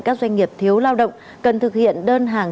các doanh nghiệp thiếu lao động cần thực hiện đơn hàng